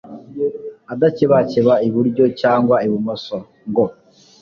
adakebakeba iburyo cyangwa ibumoso ngo